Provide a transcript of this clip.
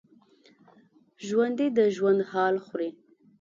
ژوندي د ژوند حال خوري